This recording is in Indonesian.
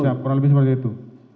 tidak kurang lebih seperti itu